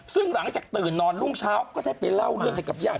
ซึ่งหลังจากตื่นนอนรุ่งเช้าก็ได้ไปเล่าเรื่องให้กับญาติ